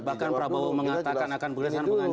bahkan prabowo mengatakan akan berlesan dengan cina